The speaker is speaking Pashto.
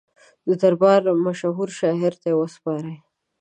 د دربار مشهور شاعر ته یې وسپاري.